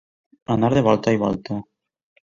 Anar de volta i volta.